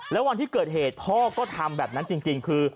แล้ววันที่เกิดเหตุพ่อก็ทำแบบนั้นจริงคือ